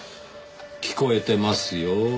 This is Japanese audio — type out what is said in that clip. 聞こえてますよ。